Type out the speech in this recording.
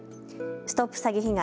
ＳＴＯＰ詐欺被害！